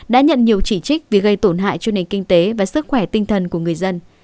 đã nhận nhiều chỉ trích vì gây tổn hại cho nền kinh tế và sức khỏe tinh thần của người dân